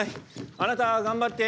あなた頑張って！